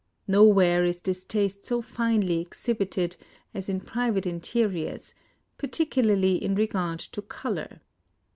Nowhere is this taste so finely exhibited as in private interiors, — particu larly in regard to color.